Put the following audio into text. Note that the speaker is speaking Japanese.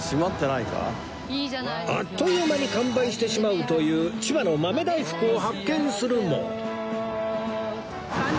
あっという間に完売してしまうという千葉の豆大福を発見するも